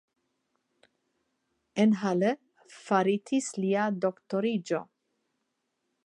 En Halle faritis lia doktoriĝo.